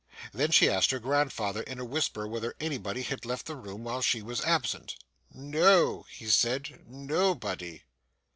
Then she asked her grandfather in a whisper whether anybody had left the room while she was absent. 'No,' he said, 'nobody.